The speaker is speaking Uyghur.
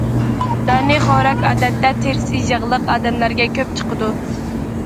دانىخورەك، ئادەتتە، تېرىسى ياغلىق ئادەملەرگە كۆپ چىقىدۇ.